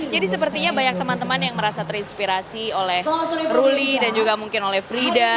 jadi sepertinya banyak teman teman yang merasa terinspirasi oleh ruli dan juga mungkin oleh frida